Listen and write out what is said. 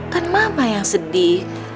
kan mama yang sedih